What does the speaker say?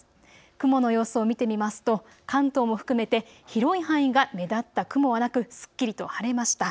雲の様子を見てみますと関東も含めて広い範囲が目立った雲はなく、すっきりと晴れました。